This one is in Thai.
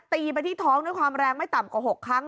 ตีไปที่ท้องด้วยความแรงไม่ต่ำกว่า๖ครั้ง